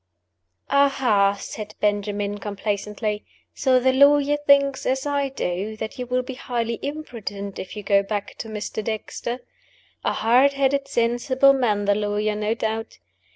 "AHA!" said Benjamin, complacently. "So the lawyer thinks, as I do, that you will be highly imprudent if you go back to Mr. Dexter? A hard headed, sensible man the lawyer, no doubt.